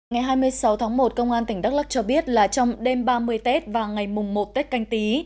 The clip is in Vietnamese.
ngày hai mươi sáu tháng một công an tỉnh đắk lắc cho biết là trong đêm ba mươi tết và ngày mùng một tết canh tí